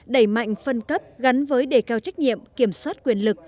đẩy mạnh phân cấp gắn với đề cao trách nhiệm kiểm soát quyền lực